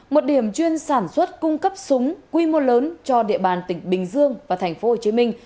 một điểm chuyên sản xuất cung cấp súng quy mô lớn cho địa bàn tỉnh bình dương và thành phố hồ chí minh